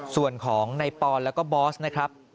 ส่วนของไหนพองและกองบอสนะครับ